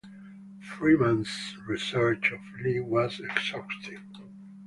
Freeman's research of Lee was exhaustive.